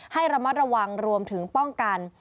ให้ระมัดระวังรวมถึงป้องกัน